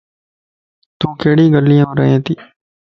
تون ڪھڙي گليم رئين تي؟